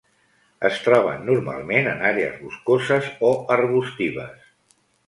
Es troben normalment en àrees boscoses o arbustives.